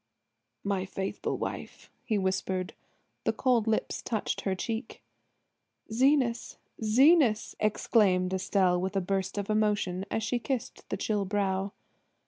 "My faithful wife!" he whispered. The cold lips touched her cheek. "Zenas, Zenas!" exclaimed Estelle with a burst of emotion as she kissed the chill brow.